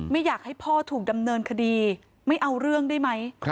ไม่อยากให้พ่อถูกดำเนินคดีไม่เอาเรื่องได้ไหม